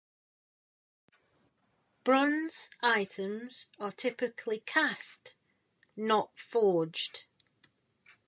Bronze items are typically cast, not forged.